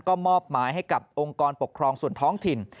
ก็มอบหมายให้กับองค์กรปกครองส่วนท้องถิ่น